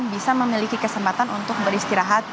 bisa memiliki kesempatan untuk beristirahat